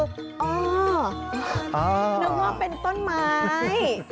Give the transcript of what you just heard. นึกว่าเป็นต้นไม้